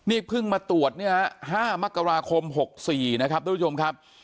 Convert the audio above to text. นี่เพิ่งมาตรวจเนี่ย๕มกราคม๖๔นะครับทุกผู้ชมครับ